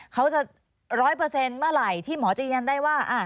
เขาจะร้อยเปอร์เซ็นต์เมื่อไหร่ที่หมอจะยืนยันได้ว่า